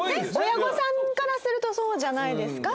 親御さんからするとそうじゃないですか？